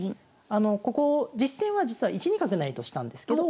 あのここ実戦は実は１二角成としたんですけど。